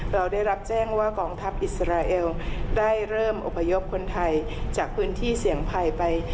เราได้รับแจ้งว่ากองทัพอิสราเอลได้เริ่มอพยพคนไทยจากพื้นที่เสี่ยงภัยไป